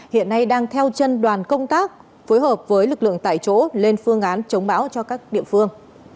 hiện nay đang theo chân đoàn công tác phối hợp với lực lượng tại chỗ lên phương án chống bão cho các địa phương